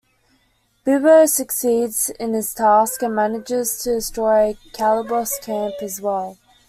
Bubo succeeds in his task and manages to destroy Calibos' camp as well.